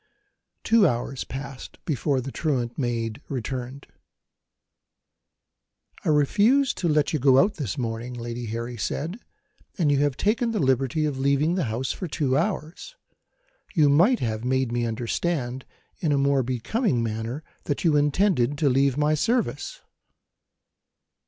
Two hours passed before the truant maid returned. "I refused to let you go out this morning," Lady Harry said; "and you have taken the liberty of leaving the house for two hours. You might have made me understand, in a more becoming manner, that you intended to leave my service."